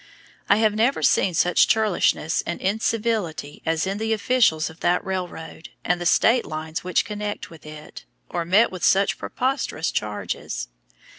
I have never seen such churlishness and incivility as in the officials of that railroad and the state lines which connect with it, or met with such preposterous charges.